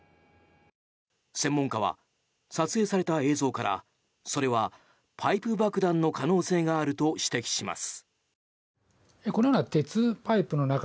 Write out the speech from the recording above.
専門家は撮影された映像からそれはパイプ爆弾の可能性があると指摘します。